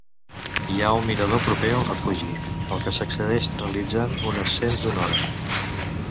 Hi ha un mirador proper al refugi, al que s'accedeix realitzant un ascens d'una hora.